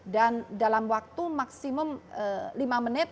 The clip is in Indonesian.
dan dalam waktu maksimum lima menit